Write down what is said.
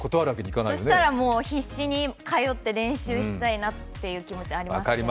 そしたら必死に通って練習したいなという思いはあります。